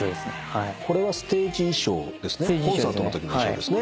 これはステージ衣装ですね。